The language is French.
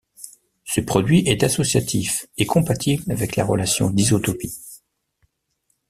Ce produit est associatif et compatible avec la relation d'isotopie.